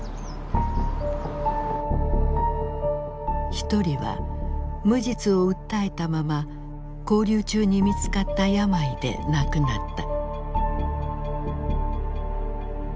一人は無実を訴えたまま勾留中に見つかった病で亡くなった。